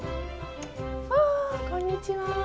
うわこんにちは。